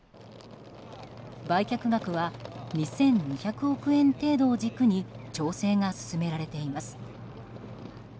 売却額は２２００億円程度を軸に調整が進められています。